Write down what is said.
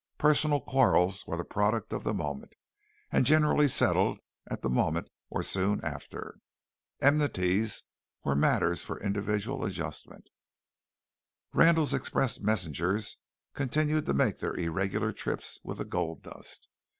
Personal quarrels were the product of the moment, and generally settled at the moment or soon after. Enmities were matters for individual adjustment. Randall's express messengers continued to make their irregular trips with the gold dust.